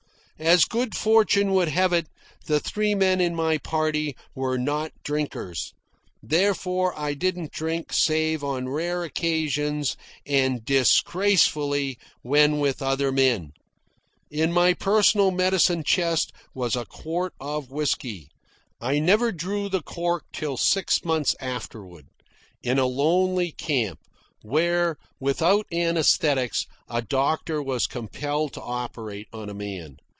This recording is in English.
As good fortune would have it, the three men in my party were not drinkers. Therefore I didn't drink save on rare occasions and disgracefully when with other men. In my personal medicine chest was a quart of whisky. I never drew the cork till six months afterward, in a lonely camp, where, without anaesthetics, a doctor was compelled to operate on a man.